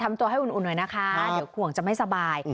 ตัวให้อุ่นหน่อยนะคะเดี๋ยวห่วงจะไม่สบาย